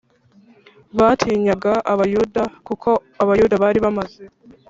batinyaga Abayuda kuko Abayuda bari bamaze